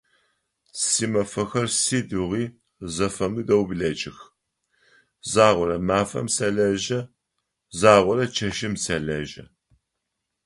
Симэфэхэр сыдигъуи зэфэмыдэу блэкӏых, загъорэ мафэм сэлэжьэ, загъорэ чэщым сэлэжьэ.